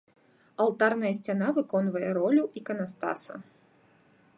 Алтарная сцяна выконвае ролю іканастаса.